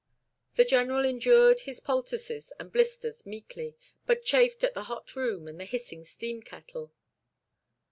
The General endured his poultices and blisters meekly, but chafed at the hot room and the hissing steam kettle.